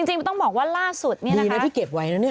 จริงต้องบอกว่าล่าสุดเนี่ยนะมีนะที่เก็บไว้นะเนี่ย